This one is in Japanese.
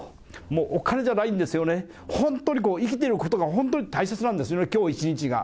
もうお金じゃないんですよね、本当に生きてることが本当に大切なんですよね、きょう一日が。